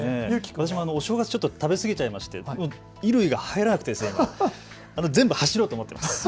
私もちょっとお正月、食べ過ぎちゃいまして衣類が入らなくて走ろうと思っています。